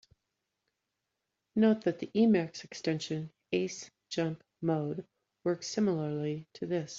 Note that the Emacs extension "Ace jump mode" works similarly to this.